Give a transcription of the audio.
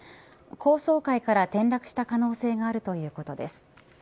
高層階から転落した可能性があるということです。